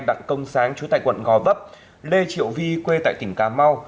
đặng công sáng chú tại quận gò vấp lê triệu vi quê tại tỉnh cà mau